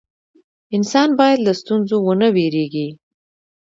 انسان باید له ستونزو ونه ویریږي.